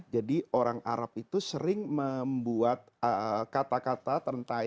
jadi orang arab itu sering membuat kata kata